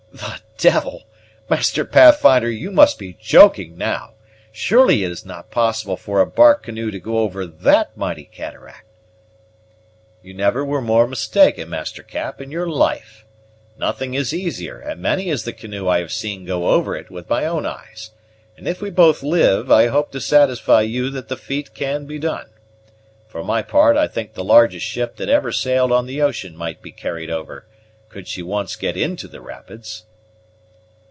"The devil! Master Pathfinder, you must be joking now! Surely it is not possible for a bark canoe to go over that mighty cataract?" "You never were more mistaken, Master Cap, in your life. Nothing is easier and many is the canoe I have seen go over it with my own eyes; and if we both live I hope to satisfy you that the feat can be done. For my part, I think the largest ship that ever sailed on the ocean might be carried over, could she once get into the rapids."